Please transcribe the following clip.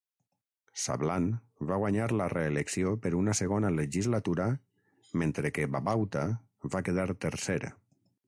Sablan va guanyar la re-elecció per una segona legislatura mentre que Babauta va quedar tercer.